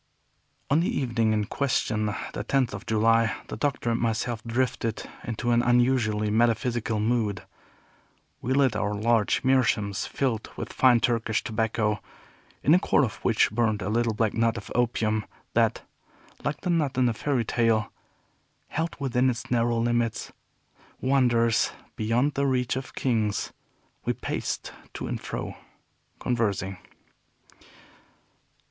On the evening in question, the tenth of July, the Doctor and myself drifted into an unusually metaphysical mood. We lit our large meerschaums, filled with fine Turkish tobacco, in the core of which burned a little black nut of opium, that, like the nut in the fairy tale, held within its narrow limits wonders beyond the reach of kings; we paced to and fro, conversing.